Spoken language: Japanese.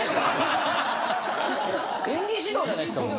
演技指導じゃないっすかもう。